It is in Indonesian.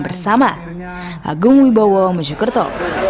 bersama agung wibowo mojokerto